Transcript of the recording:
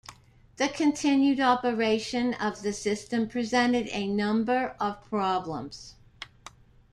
The continued operation of the system presented a number of problems.